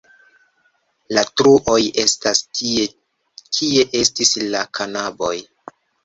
La truoj estas tie, kie estis la kanaboj.